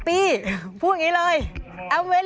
กินขออาหาร